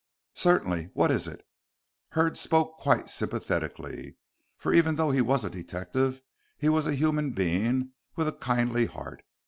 "Certainly. What is it?" Hurd spoke quite sympathetically, for even though he was a detective he was a human being with a kindly heart.